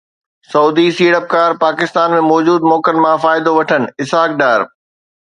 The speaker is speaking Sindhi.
سعودي سيڙپڪار پاڪستان ۾ موجود موقعن مان فائدو وٺن، اسحاق ڊار